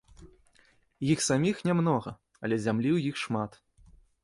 Іх саміх нямнога, але зямлі ў іх шмат.